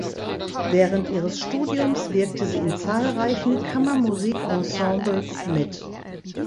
Während ihres Studiums wirkte sie in zahlreichen Kammermusikensembles mit.